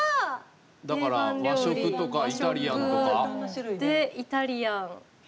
だから和食とかイタリアンとか。イタリアン。